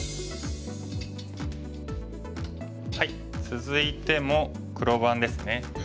続いても黒番ですね。